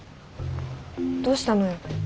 どうしたのよ。